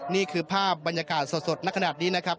นี่คือภาพบรรยากาศสดนักขนาดนี้นะครับ